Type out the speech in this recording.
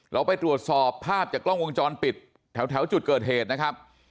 เราไปตรวจสอบภาพจากกล้องวงจรปิดแถวจุดเกิดเหตุนะครับ